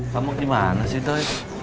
kamu gimana sih doi